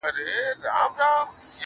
هله به مړ شمه چي ستا له سينکي خاله وځم